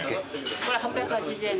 これ８８０円です。